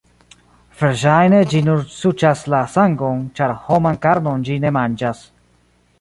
Verŝajne ĝi nur suĉas la sangon, ĉar homan karnon ĝi ne manĝas.